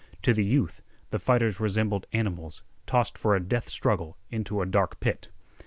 To the youth the fighters resembled animals tossed for a death struggle into a dark pit.